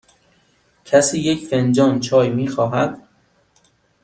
کسی یک فنجان چای می خواهد؟